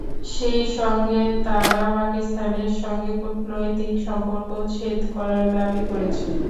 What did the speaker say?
সেই সঙ্গে তারা পাকিস্তানের সঙ্গে কূটনৈতিক সম্পর্কও ছেদ করার দাবি করেছে।